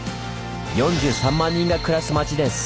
４３万人が暮らす町です。